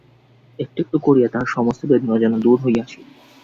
একটু একটু করিয়া তাহার সমস্ত বেদনা যেন দূর হইয়া আসিল ।